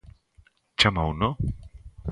¿Chamouno?